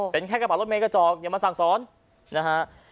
เป็นแค่กระเป๋ารถเมย์กระจอกอย่ามาสั่งสอนนะฮะ